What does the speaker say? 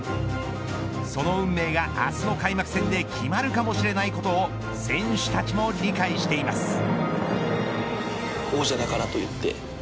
その運命が明日の開幕戦で決まるかもしれないことを選手たちも理解しています。